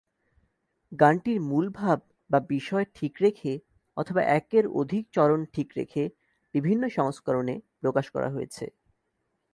গানটির মূলভাব/বিষয় ঠিক রেখে অথবা একের অধিক চরণ ঠিক রেখে বিভিন্ন সংস্করণে প্রকাশ করা হয়েছে।